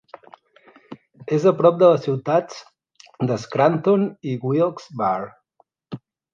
És a prop de les ciutats de Scranton i Wilkes-Barre.